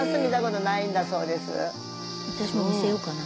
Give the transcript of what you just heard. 私も見せようかな。